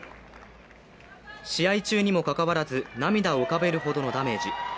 試合中にもかかわらず、涙を浮かべるほどのダメージ。